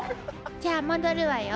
じゃあ戻るわよ。